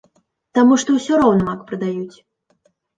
Таму што ўсё роўна мак прадаюць.